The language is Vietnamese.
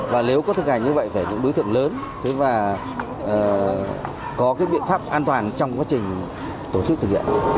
và nếu có thực hành như vậy thì phải đối tượng lớn và có biện pháp an toàn trong quá trình tổ chức thực hiện